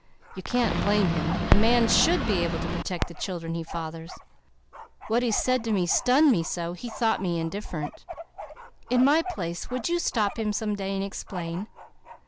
You can't blame him. A man should be able to protect the children he fathers. What he said to me stunned me so, he thought me indifferent. In my place, would you stop him some day and explain?"